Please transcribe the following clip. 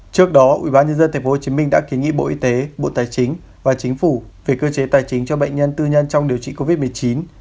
trước đó ubnd tp hcm đã kiến nghị bộ y tế bộ tài chính và chính phủ về cơ chế tài chính cho bệnh nhân tư nhân trong điều trị covid một mươi chín